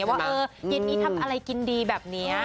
ว่าเย็นนี้ทำอะไรกินดีแบบนี้